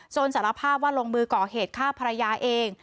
สารภาพว่าลงมือก่อเหตุฆ่าภรรยาเอง